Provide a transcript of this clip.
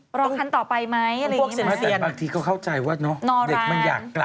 เพราะว่ารถเมนไม่พอพี่ก็ให้ห้อยอย่างนี้แหละ